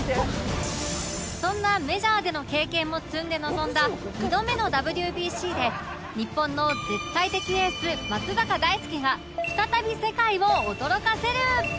そんなメジャーでの経験も積んで臨んだ２度目の ＷＢＣ で日本の絶対的エース松坂大輔が再び世界を驚かせる